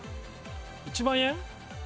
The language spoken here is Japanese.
１万円？